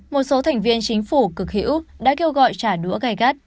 một số thành viên chính phủ cực hữu đã kêu gọi trả đũa gai gắt